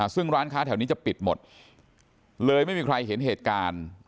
ซึ่งร้านค้าแถวนี้จะปิดหมดเลยไม่มีใครเห็นเหตุการณ์